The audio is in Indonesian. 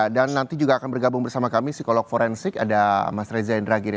dan nanti juga akan bergabung bersama kami psikolog forensik ada mas reza indra giri